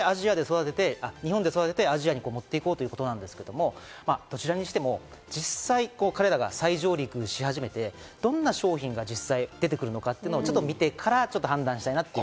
日本で育てて、アジアに持って行こうということなんですけど、どちらにしても、実際彼らが再上陸し始めて、どんな商品が実際出てくるのか見てから判断したいなと。